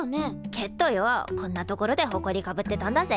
けっどよこんな所でホコリかぶってたんだぜ？